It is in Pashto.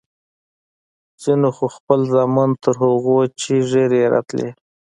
ځينو خو خپل زامن تر هغو چې ږيرې يې راتلې.